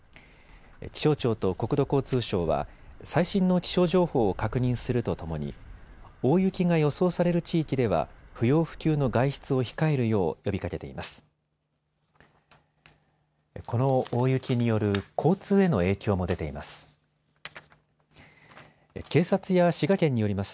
気象庁と国土交通省は最新の気象情報を確認するとともに大雪が予想される地域では不要不急の外出を控えるよう呼びかけています。